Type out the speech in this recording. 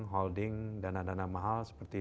holding dana dana mahal seperti